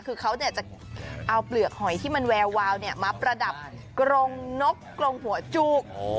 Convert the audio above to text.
คือเขาจะเอาเปลือกหอยที่มันแวววาวมาประดับกรงนกกรงหัวจูก